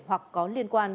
hoặc có liên quan